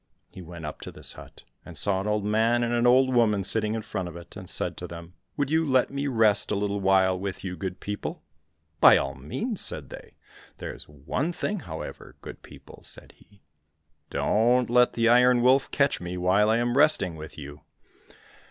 He went up to this hut, and saw an old man and an old woman sitting in front of it, and said to them, '' Would you let me rest a little while with you, good people }"—" By all means !" said they. —" There is one thing, however, good people !" said he, " don't let the Iron Wolf catch me while I am resting with you."